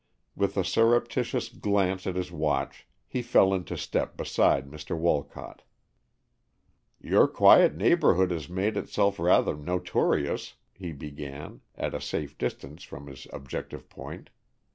With a surreptitious glance at his watch, he fell into step beside Mr. Wolcott. "Your quiet neighborhood has made itself rather notorious," he began, at a safe distance from his objective point.